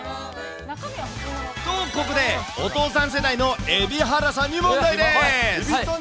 と、ここで、お父さん世代の蛯原さんに問題です。